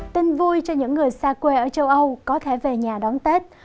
tin vui cho những người xa quê ở châu âu có thể về nhà đón tết